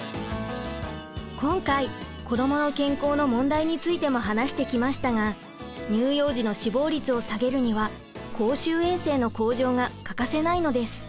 今回子どもの健康の問題についても話してきましたが乳幼児の死亡率を下げるには公衆衛生の向上が欠かせないのです。